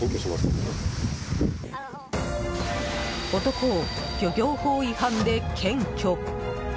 男を漁業法違反で検挙。